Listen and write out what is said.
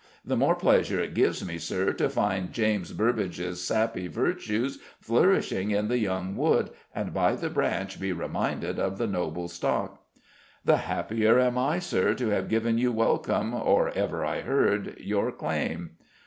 The more pleasure it gives me, Sir, to find James Burbage's sappy virtues flourishing in the young wood, and by the branch be reminded of the noble stock." "The happier am I, Sir, to have given you welcome or ever I heard your claim."